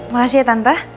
makasih ya tante